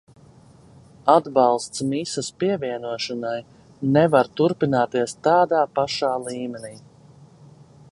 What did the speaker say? Atbalsts misas pievienošanai nevar turpināties tādā pašā līmenī.